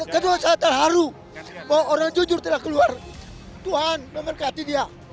ketua saat terharu bahwa orang jujur telah keluar tuhan memberkati dia